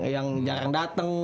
yang jarang datang